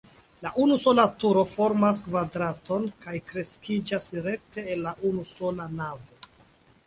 La unusola turo formas kvadraton kaj kreskiĝas rekte el la unusola navo.